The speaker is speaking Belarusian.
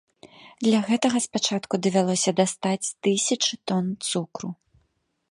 Для гэтага спачатку давялося дастаць тысячы тон цукру.